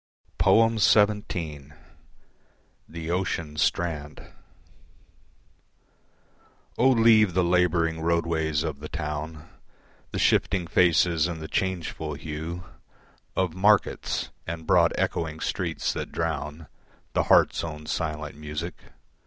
XVII. The Ocean Strand O leave the labouring roadways of the town, The shifting faces and the changeful hue Of markets, and broad echoing streets that drown The heart's own silent music.